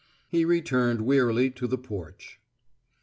He returned wearily to the porch.